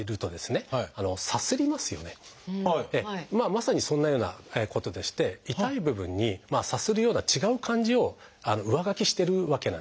まさにそんなようなことでして痛い部分にさするような違う感じを上書きしてるわけなんですね